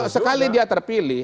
sekali dia terpilih